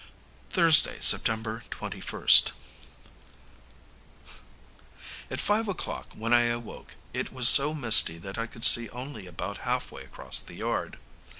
Thursday, September 21st. At five o'clock, when I awoke, it was so misty that I could only see about half way across the yard.